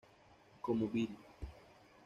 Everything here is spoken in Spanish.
Como Billy.